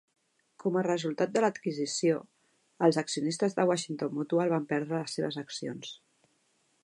Com a resultat de l'adquisició, els accionistes de Washington Mutual van perdre les seves accions.